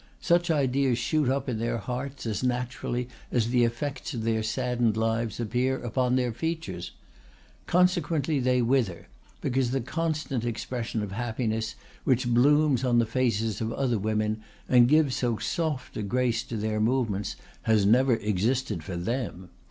Such ideas shoot up in their hearts as naturally as the effects of their saddened lives appear upon their features. Consequently they wither, because the constant expression of happiness which blooms on the faces of other women and gives so soft a grace to their movements has never existed for them.